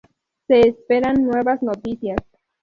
Se esperan nuevas noticias.